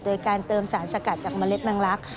โดยการเติมสารสกัดจากเมล็ดมังลักษ